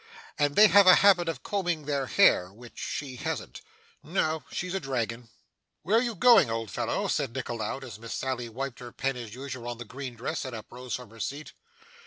And they have a habit of combing their hair, which she hasn't. No, she's a dragon.' 'Where are you going, old fellow?' said Dick aloud, as Miss Sally wiped her pen as usual on the green dress, and uprose from her seat.